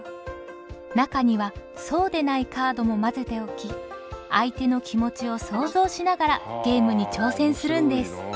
中にはそうでないカードも交ぜておき相手の気持ちを想像しながらゲームに挑戦するんです。